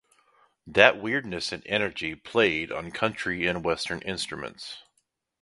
That weirdness and energy played on country and western instruments.